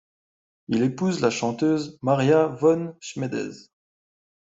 Il épouse la chanteuse Maria von Schmedes.